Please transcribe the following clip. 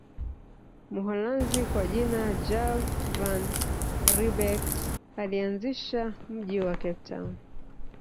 Mholanzi kwa jina Jan van Riebeeck alianzisha mji wa Cape Town